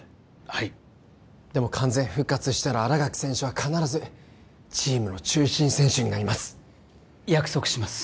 はいでも完全復活したら新垣選手は必ずチームの中心選手になります約束します